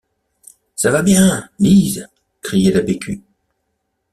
Ça va bien, Lise, criait la Bécu.